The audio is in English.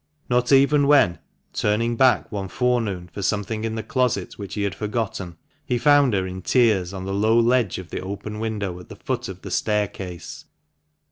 Not even when, turning back one forenoon for something in the closet which he had forgotten, he found her in tears on the low ledge of the open window at the foot of the staircase.